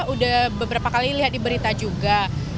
udah beberapa kali lihat di berita juga